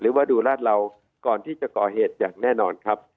หรือว่าดูราดเหลาก่อนที่จะก่อเหตุอย่างแน่นอนครับ